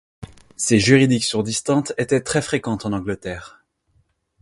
Ces juridictions distinctes étaient très fréquentes en Angleterre.